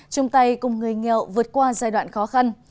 chung tay cùng người nghèo vượt qua giai đoạn khó khăn